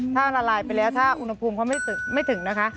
ถ้าละลายไปแล้วถ้าอุณหภูมิเขาไม่ถึงนะคะ